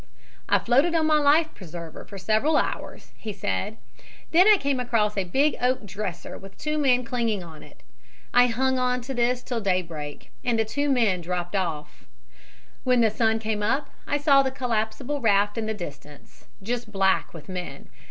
"I floated on my life preserver for several hours," he said, "then I came across a big oak dresser with two men clinging to it. I hung on to this till daybreak and the two men dropped off. When the sun came up I saw the collapsible raft in the distance, just black with men.